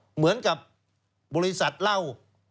เหมือนกับบริษัทเหล้า